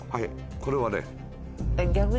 これはね。え？